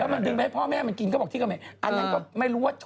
แล้วมันดึงให้พ่อแม่กินก็บอกที่เอาไปข้างในก็ไม่รู้ว่า